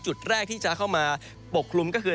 จุดแรกที่จะเข้ามาปกคลุมก็คือ